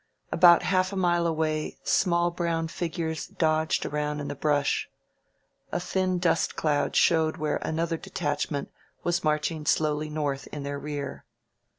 About half a mile away small brown figures dodged around in the brush. A thin dust cloud showed where another detachment was marching slowly north in their rear.